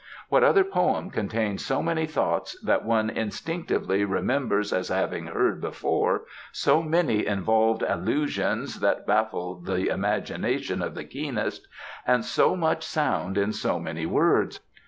What other poem contains so many thoughts that one instinctively remembers as having heard before, so many involved allusions that baffle the imagination of the keenest, and so much sound in so many words?